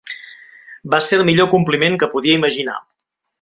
Va ser el millor compliment que podia imaginar.